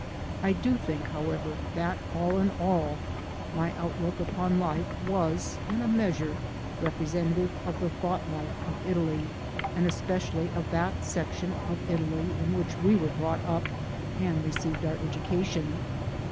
I do think, however, that all in all, my outlook upon life was in a measure representa tive of the thought life of Italy, and especially of that section of Italy in which we were brought up and received our education.